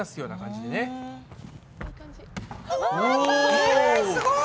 えすごい！